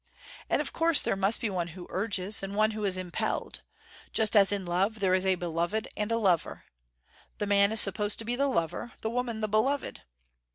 "And of course there must be one who urges, and one who is impelled. Just as in love there is a beloved and a lover: The man is supposed to be the lover, the woman the beloved.